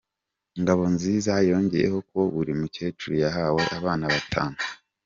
Ngabonziza yongeyeho ko buri mukecuru yahawe abana batanu.